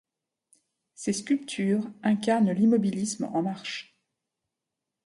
Ces sculptures incarnent l'immobilisme en marche.